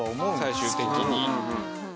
最終的に。